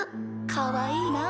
かわいいな。